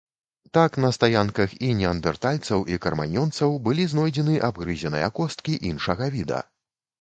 Так на стаянках і неандэртальцаў і краманьёнцаў былі знойдзены абгрызеныя косткі іншага віда.